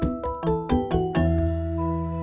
aduh yang bener dong bang